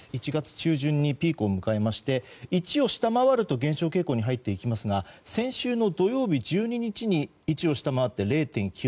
１月中旬にピークを迎えまして１を下回ると減少傾向に入っていきますが先週の土曜日１２日に１を下回って０．９７。